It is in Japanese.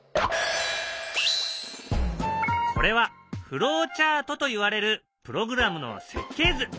これはフローチャートといわれるプログラムの設計図。